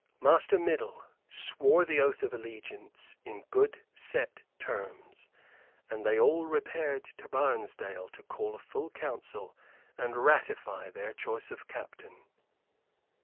Master Middle swore the oath of allegiance in good set terms, and they all repaired to Barnesdale to call a full council and ratify their choice of captain.